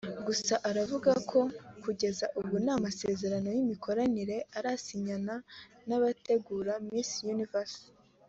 gusa avuga ko kugeza ubu nta masezerano y’imikoranire arasinyana n’abategura Miss Universe